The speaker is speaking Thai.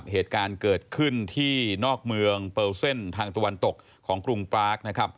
เหตุการณ์เกิดขึ้นที่นอกเมืองเปลเส้นทางตะวันตกของกรุงปรากนะครับ